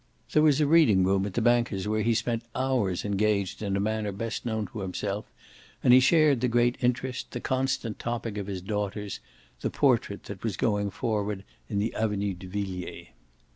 There was a reading room at the bankers' where he spent hours engaged in a manner best known to himself, and he shared the great interest, the constant topic of his daughters the portrait that was going forward in the Avenue de Villiers.